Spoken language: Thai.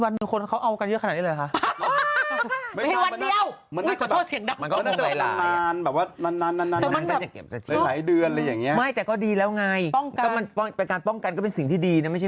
คนเขาเอากันเยอะขนาดนี้เลยเหรอคะ